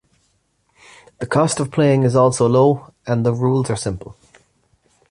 The cost of playing is also low and the rules are simple.